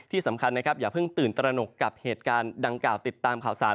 ที่สำคัญนะครับอย่าเพิ่งตื่นตระหนกกับเหตุการณ์ดังกล่าวติดตามข่าวสาร